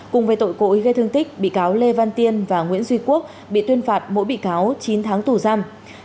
cùng với tội cố ý gây thương tích bị cáo lê văn tiên và nguyễn duy quốc bị tuyên phạt mỗi bị cáo chín tháng tù giam